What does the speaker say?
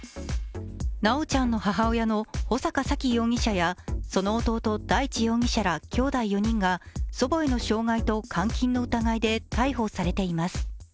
修ちゃんの母親の穂坂沙喜容疑者やその弟・大地容疑者らきょうだい４人が祖母への傷害と監禁の疑いで逮捕されています。